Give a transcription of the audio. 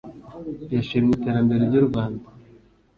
yashimye iterambere ry’u Rwanda